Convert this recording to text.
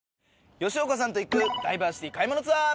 吉岡さんと行くダイバーシティ買い物ツアー！